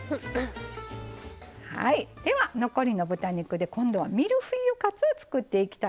はいでは残りの豚肉で今度はミルフィーユカツを作っていきたいと思います。